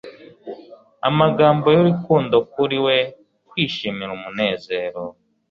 Amagambo y'urukundo Kuri We kwishimira umunezero